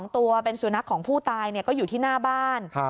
ตัวเป็นสุนัขของผู้ตายก็อยู่ที่หน้าบ้าน